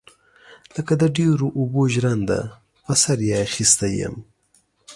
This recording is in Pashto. لکه د ډيرو اوبو ژرنده پر سر يې اخيستى يم.